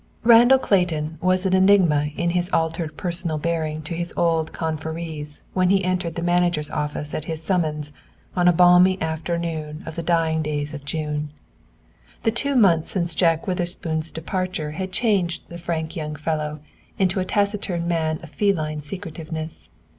Randall Clayton was an enigma in his altered personal bearing to his old confrères when he entered the manager's office at his summons on a balmy afternoon of the dying days of June. The two months since Jack Witherspoon's departure had changed the frank young fellow into a taciturn man of feline secretiveness.